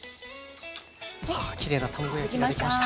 わあきれいな卵焼きができました。